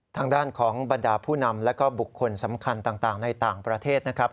ทางด้านของบรรดาผู้นำแล้วก็บุคคลสำคัญต่างในต่างประเทศนะครับ